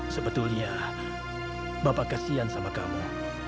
sebetulnya bapak kasian sama kamu